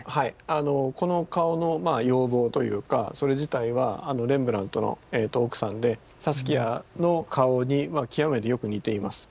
あのこの顔の容貌というかそれ自体はレンブラントの奥さんでサスキアの顔に極めてよく似ています。